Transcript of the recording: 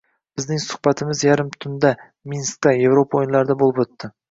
Bizning suhbatimiz yarim tunda, Minskda Evropa o'yinlari bo'lib o'tdi